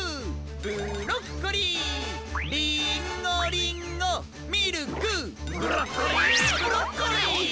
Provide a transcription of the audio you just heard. ブロッコリーリーンゴリンゴミルクブロッコリーブロッコリーうわっ。